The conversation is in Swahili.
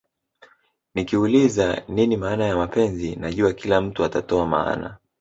Nikiuliza nini maana ya mapenzi najua kila mtu atatoa maana